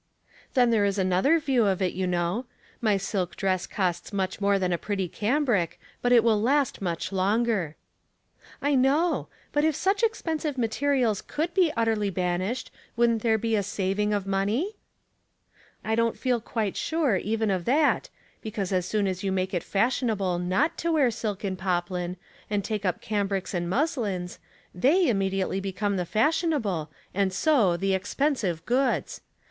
" Then there is another view of it, you know. My silk dress costs much more than a pretty cambric, but it will last much longer." " I know. But if such expensive materials could be utterly banished, wouldn't there be a saving of money ?" Light 287 " I don't feel quite sure, even of that, be cause as soon as you make it fashionable not to wear silk and poplin, and take up cambrics and muslins, they immediately become the fash ionable, and so the expensive goods.